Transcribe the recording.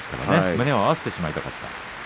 胸を合わせてしまいたかった。